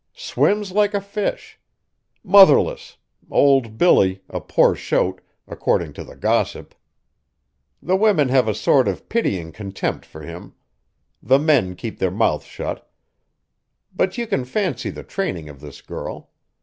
Swims like a fish! Motherless old Billy, a poor shote, according to the gossip! The women have a sort of pitying contempt for him; the men keep their mouths shut, but you can fancy the training of this girl.